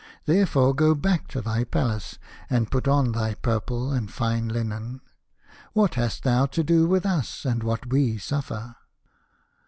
Therefore go back to thy Palace and put on thy purple and fine linen. What hast thou to do with us, and what we suffer